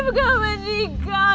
afif gak meninggal